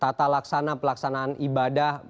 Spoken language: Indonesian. tata laksana pelaksanaan ibadah